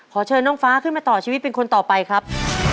เชิญน้องฟ้าขึ้นมาต่อชีวิตเป็นคนต่อไปครับ